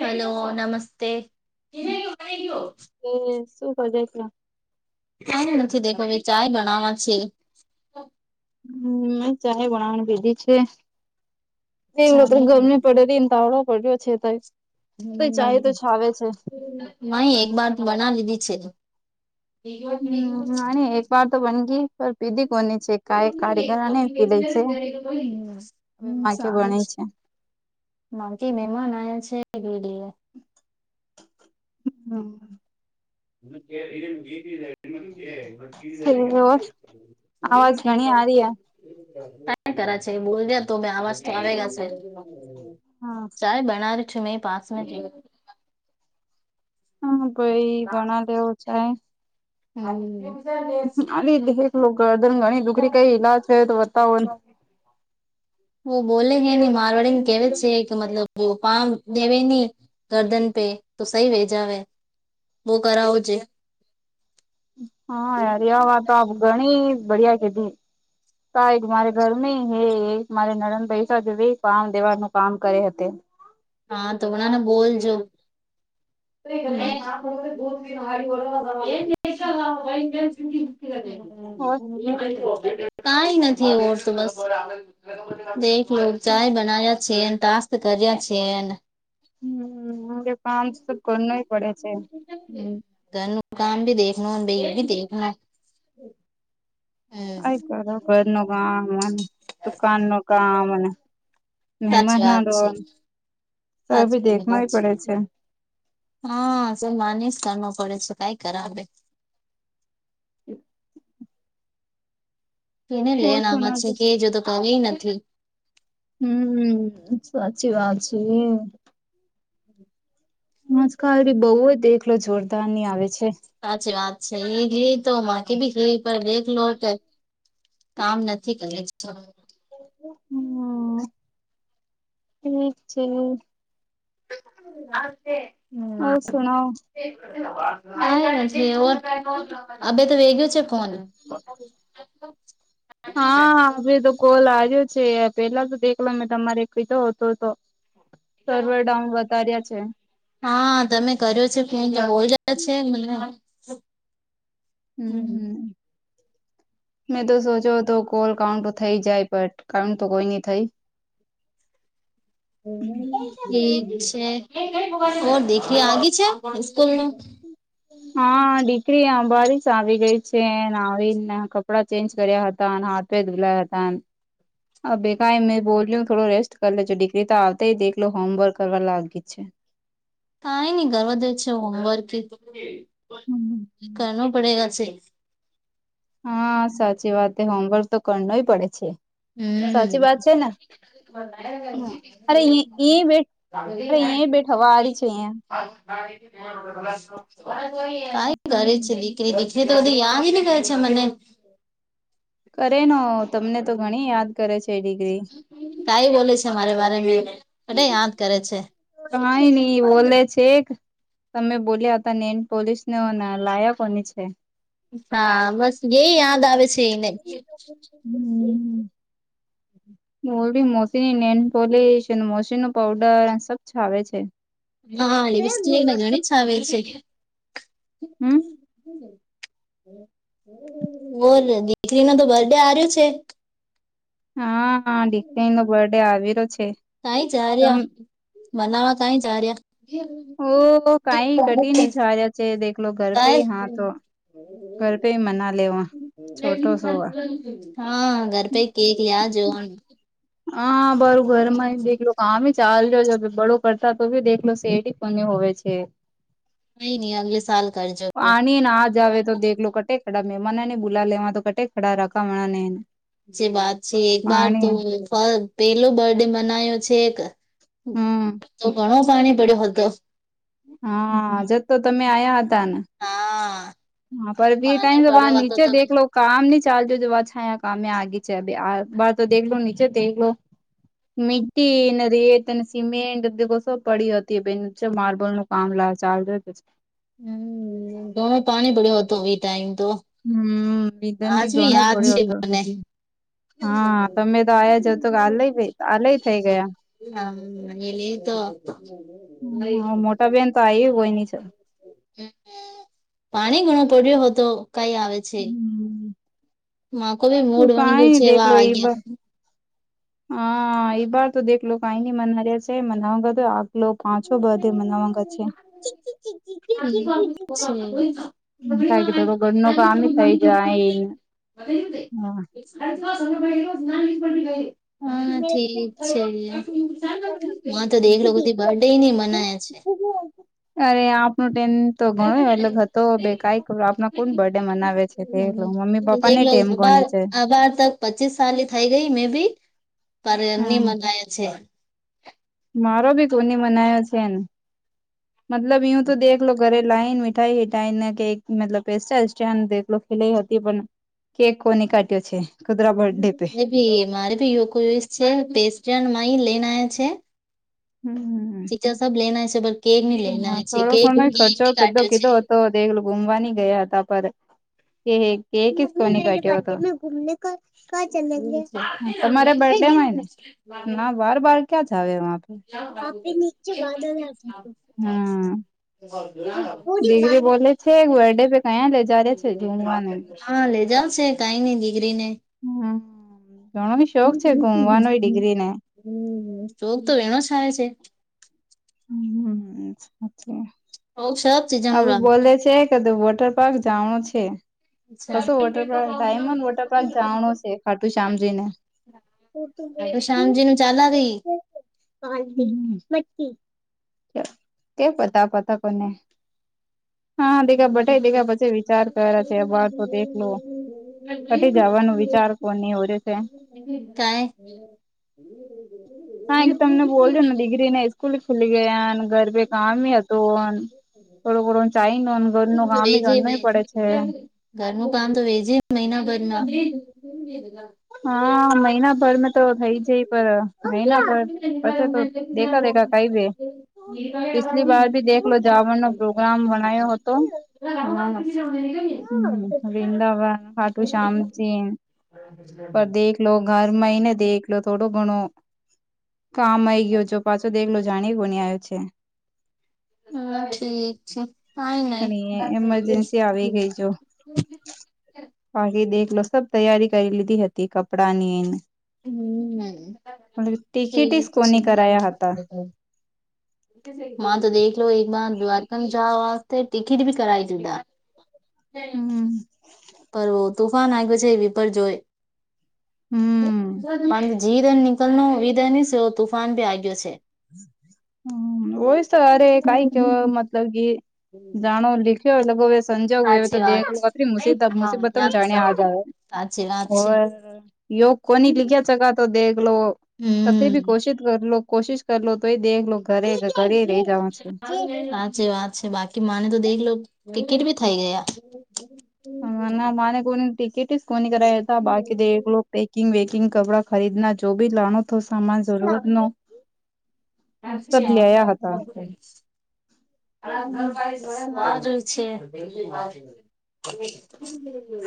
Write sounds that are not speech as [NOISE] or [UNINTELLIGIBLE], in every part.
Hello નમસ્તે. એ [UNINTELLIGIBLE] car નથી દેખો ભાઈ ચાય બનાવા છે. હમે ચાય બણવાની કીધી છે. એ તને ગરમ પડે રહી એને ત આવડવા પડ રહ્યો છે ત. [UNINTELLIGIBLE] [UNINTELLIGIBLE] નહી એક બર બના લીધી છે. હમ નાની એક વાર તો બન ગઈ પણ પીધી કોની છે. કાય કારીગરને રે પી લે છે હહ હવે છે. માકે બણે છે [UNINTELLIGIBLE] મામકી મહેમાન આ છે ગીડી- હમ. [UNINTELLIGIBLE] આવાજ ઘણી આરી હે. ક કર છે બોલજ તમે આવાજતો આવેગ છે. હા ચાય બનાર છું મે પાસમે હ બના હવ ચાય હા. આ એક ગદન ઘણી દુકરી કઈ ઈલા છે તો બતાવો. હ બોલે કેે ન મારવાડ ને કેવા છે કે મતલબ પામ દેવે ની ગરદન પે તો સહી ભેજ આવેે બો કરાવજ હા યાર એ વાતો આપ ઘણી બડિયા કધી ક મારે ઘર ન હે મારે નરદ પૈસા જો પામ દેવાડ નું કામ કરે હે તે. હા તોમણાને બોલજો. હમ [UNINTELLIGIBLE] કઈ નથીર તો બસ દ. ચાય બના્યા છે તાશત કર્યા છ. હમ કામ તો કરના પડે છે. હ ત મુ કામ ભી દખનો બે ભી દેખનો હમ આ કર ઘર નું કામને દુકાન નું કામને સાચી મહેમન વાત છે નો ભી સાચી વાત દેખવા પડે છે. હા સર માને જ કર પડે છે કઈ કરાવે [INAUDIBLE] એને હું લેને આમ સુના છે કે જોતો ક નથી હમ સાચી વાત છે આજકાલ બહુ જ દેખલો જોરદાર ની આવે છે સાચી વાત છે એ ગ તો મા કે ભી ગ પણ દેલો કામ નથી કરે હમ ઠીક છે ના હા સુનાઓ હ અબે તો વેગું છે ફોન હા હે તો કોલ આવ્યો છે પેલા તો દેખલા મેં તમારે કીધો હતો તો સર્વર ડઉન વધાર્યા છે હા તમે કર્યો છે ફોન બોલ રહ્યા છે મને હમ [INAUDIBLE] મેં તો સોચો હતો કોલ કાઉન્ટ થઈ જાય બટ કાઉન્ટ તો કોઈ નહી થઈ [INAUDIBLE] હ ઠીક છેર દેખરી આગી છે સ્કૂલ ન હા દીકરી અમારી જ આવી ગઈ છે આવીને કપડા ચેન્જ કર્યા હતા અને હા પેદગલા હતા હ ભગા મેં બોલ્યું થોડો રેસ્ટ કરી લેજો ડિ તો આવતાય દેખલો હોમવર્ક કરવા લાગી જ છે કઈ નઈ કરવા દે છે હોમવર્ક હમ કર પડે ગ છે હા સાચી વાત હોમવર્ક તો કરનોય પડે છે સાચી વાત છે ને હા. અરે અ તમા બેઠ અરે અહીંયા બેઠવા છે અહિયાયા ક કરે છેી કે દીખને તો બધી યાદ ને કરહે છે મને કરે ન તમને તો ઘણી યાદ કરે છેેડી કઈ બોલે છે મારે તને યાદ કરે છે કઈ નઈ બોલે છે કે તમે બોલ્યા હતા નેલ પોલીસને લાયા કોની છે હા બસ એ યાદ આવે છે એને હમ [INAUDIBLE] હમ [INAUDIBLE] મોરબી મોસીની નેન પોલશ મોસી ન પાવડર સબ છાવે છે હા લે બિસ્ટ મગણી ચાવલ છે હમ ઓ દીકરી ન તો બર્ડે આ્યો છે હા દીકરી નો બર્ડે આવેલો છે કઈ જા રહ્યા મનાવા કઈ જા રહ્યા ઓહ કઈ કઠિ ન જા રહ્યા છે દેખલો ઘર પે હ હા કઈ તો ઘર પે મના લેવા છોટો [INAUDIBLE] સોવા. [INAUDIBLE] હા ઘર પે કેક લયા જો હન હા બારું ઘર માં બેેખ કમે ચાલ્યો છે બડો પડતા તો બી દેખલો સીઆડી કોને હોવે છે કઈ ન અગલે સાલ કરજો આણી ને આ જ આવે તો દેખલો કટે ખડા મહેમાનને બુલા લેવા તો કટે ખડા રાખા મણા નેને જે વાત છે એક વાર તો પેલો બર્ડે મનાયો છે એક હમ તો ઘણો પાણી પડ્યો હતો હાજ તો તમે આ્યા હતા ને હા હા પર બી ટાઈમ પાણી તો બ પડ્યો હતો નીચે તો દેખલો લો કામ નની ચાલજો જો વાત છા કામ આગી છે આ વાર તો દેખ લો નીચે દેખલો મીટીને રેત સિમેન્ટ સ પડી હતી બે માર્બલ ન કામલા ચાલજ હમ ઘણો પાણી ભર્યો હતો એ ટાઈમ તો હમ નિદાન આજ ભી બી ઘણ યાદ પડ્યો છે હતો મને હા તમે તો આયા જ હત કે આલય આલય થઈ ગયા હા એલી તો હા મોટા બેેન તો આવી હોય ની છે પાણી ઘણો પડ્યો હો તો કઈ આવે છે મા કો ભી તું મૂડ વણ કઈ ગયું છે દેખલો એ બ એવાગયા હા એ વાર તો દેખલો કઈ ન મનાર્યા છે મનાવ લો પાંચો બર્ડે મનાવાગ છે ગયા થી ઘર ન કામ થઈ જાય એને મત એક સા ગ હા ઠીક છે તો દેખ લોકોથી બર્ ડે નહ મને બના છે અરે આપણું ટેન તો ગણો એટલે હતો બે કઈક આપનો કોણ બર્થડે મનાવે છે તે મમ્મી પપ્પા ને એમ ગણી છે આબાર તક પચીસ સાલી થઈ ગઈ મે બી પરની હમ મનાય છે મારો ભી કોની મનાયો છેને મતલબ યું તો દેખલો લો ઘરે લાન મિઠાઈ હઠાઈ ને કેક મતલબ પેસ્ટા દેખલો લો લઈ હતી પણ કેક કોને કાઢ્યો છે કુદરા બર્થડે પ એ મારે ભી યો છે પસ્ટ લઈને આ છે હમ હમ ચીચા સબ લેના છે પર કેક નની હા લેના છે કે કેક કાઢ્યો છે દેલું ઘુમવાની ગયા હતા પરસ કો ક્યો હતો તમારે છે બર્ડેય ને ના બર બ ક્યાં જાવ આપે નીચે બાદળ લી હ દીગરી બોલે છે બર્ડે પે કયા લે જ છે ઝુમવાને હા લે જાવશે કઈ નઈ દીકરી ને હમ ઘણો શોખ છે ગુમવાનો ડિગ્રી ને હમ શોક તો એનો થાય છે હમ સાચ હો સબ ચીજા નો આપડું બોલે છે કેધું વોટર પાર્ક જવાણું છે કશો રાખ water park diamond water park જાવાણો છે ખાટું શામ જઈને હ તોું શામજી નું ચાલ આ રી કે પતાપતા કોને હા હા દીા બ દીખા પછી વિચાર કર્યા છે અાર તો દેખલો ઘટી જવાનું વિચાર કોની ઓરે છે કાય હ હા એક તમને બોલજો ને ડિગ્રીને સ્સ્કૂલ ખુલી ગયા ગરભે કામ હતું થોડો ઘણો ચાઈ ન ઘર નો તો ગામ વેજે ઘર નો કરવો પડે છે ઘરનું કામ તો વેજી મહિનાભર ના હા મહિનાભર મે તો થઈ જાય પણ મહિના ભર પછ તો દેખા દેખા કઈ દે પિછલી બાર ભી દેખલો જાવણ નો પ્રોગ્રામ મનાયો હતો [UNINTELLIGIBLE] હમ વૃંદાવન ખાટૂ શામજી પર દેખ લો ઘરમાં હને દેખલો લો થોડો ઘણો કામ આવી ગયો છો પાછો દેખલો જાણી બુની આવ્યો છે હા ઠીક છે કાઈ નઈ પણ એ એમરજન્સી આવી ગઈ જો બાકી દેખલો સબ તૈયારી કરી લીધી હતી કપડાં ની એને હમ મ ઠીક તીખિટીસ છે કોની કરાયા હતા મા તો દેખલો લો એકબર દ્વારકામાં જ વાસ્તે ટિકિટ ભી કરાય જુદા હમ્મ. હમ પર તુફાન આયો છે એ વિપર જોય હમ [INAUDIBLE] જીદ નીકળ ન વિદ એવ તુફાન ભી આય ગયો છે [UNINTELLIGIBLE] હ હોય તો અરે કઈ કે મતલબ કે જાણો લીખ્યો ગો એવસ સંજ વ્યો હય તો સાચી વાત દત છે મુસીબત હા મુસીબતને જાણ્યા આ સાચી વાત હોવ છે યો કોની લીખ્યા ચગતો દેખલો હમ્મ. ભી કોશિત કરલો કોશિશ કરલો તોય દેખ લો ઘરે ઘરે રહી જાઓ છે જે વાત છે બાકી માને તો દેખ લો ટીકિટ ભી થઈ ગયા હ ના માને કોની ટિકિટ સ કોની કર હતા બાકી દેવલું બેકિંગ વેકિંગ કપડાં ખરીદના જો ભી લણ તો સામાન જરૂર નો હતા હા [UNINTELLIGIBLE] છે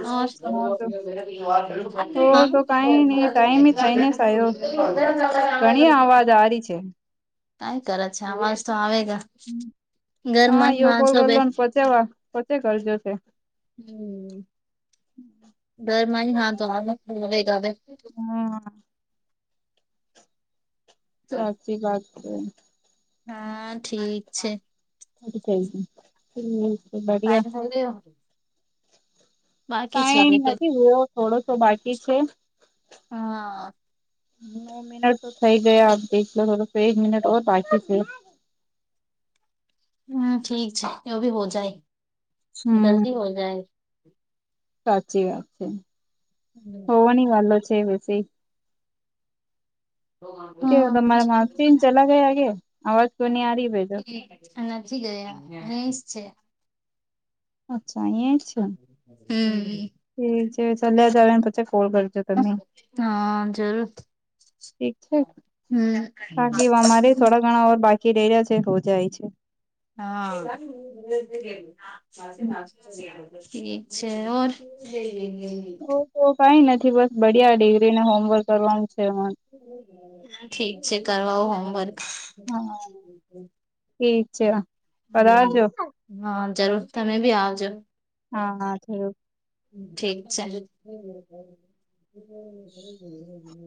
તો હા સુણો છો તો હા તો કઈ નઈ ટાઈમ થઈને સાયો ઘણી અવાજ આ રહી છે કઈ કરત છે અવાજ તો આવે છે હા એયો કોલ કરલોને પચવા પચે કરજો છે હમ દરમાંય હા તો આમ જ આવે ઘરે હા સાચી વાત છે હા ઠીક છે [UNINTELLIGIBLE] બદીયા ભૂદેવો ટાઈમ લેકિન નથી એવો થોડોસો બાકી છે હા નવ મિનટ તો થઈ ગયા આપ દેખલો થોડો એક મિનિટ ઓર બાકી છે હમ્મ ઠીક છે એ ભી હો જાય હમ. જલ્દી હો જાય સાચી વાત છે હોવાની વાતો છે વિશે કે હમ તમારા માસીને ચલા ગયા કે અવાજ કોની આરી ભાઈ નથી ગયા અહી જ છે અચ્છા અહીંયા છે હમ્મ. ઠીક છે ચલ્યા જ આવે ને પછી કોલ કરજો તમે હા જરૂર ઠીક છે હમ બાકી અમારે થોડા ઘણા ઓર બાકી રે રહ્યા છે હો જાય છે હા [UNINTELLIGIBLE] છે ઓર [UNINTELLIGIBLE] ઓ તો કઈ નથી બસ બડિયા ડિગ્રીને હોમવર્ક કરવાનું છે ઠીક છે કરવા હોમવર્ક હા ઠીક છે પર આજો હા જરૂર તમે બી આવજો હા થયું ઠીક છે